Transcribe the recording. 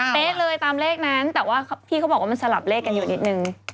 อ๋อ๓๗๙อ๋อ๓๗๙อ๋อเป๊ะเลยตามเลขนั้นแต่ว่าพี่เขาบอกว่ามันสลับเลขกันอยู่นิดนึง